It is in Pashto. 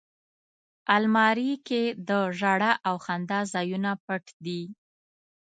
الماري کې د ژړا او خندا ځایونه پټ دي